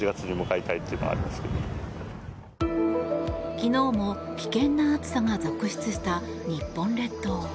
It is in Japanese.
昨日も危険な暑さが続出した日本列島。